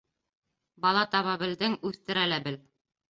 Бала таба белдең, үҫтерә лә бел.